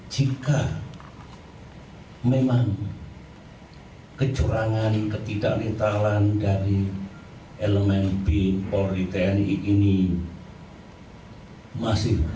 jika memang kecurangan ketidak netalan dari elemen b polri tni ini